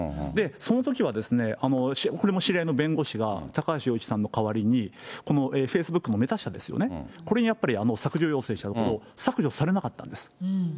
そのときは、これも知り合いの弁護士がたかはしよういちさんの代わりにこのフェイスブックのメタ社ですよね、これにやっぱり削除要請したところ、削除されなかったんです。